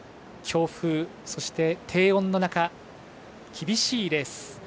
強風、そして低温の中厳しいレース。